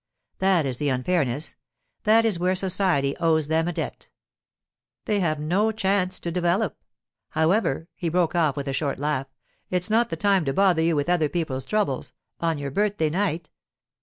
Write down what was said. That is the unfairness; that is where society owes them a debt; they have no chance to develop. However,' he broke off with a short laugh, 'it's not the time to bother you with other people's troubles—on your birthday night.